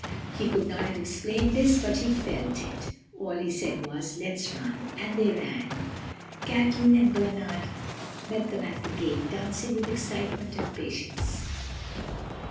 He could not have explained this, but he felt it. All he said was, "Let's run." And they ran. Kathleen and Bernard met them at the gate, dancing with excitement and impatience.